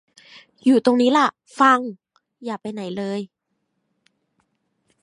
อยู่ตรงนี้ล่ะฟัง อย่าไปไหนเลย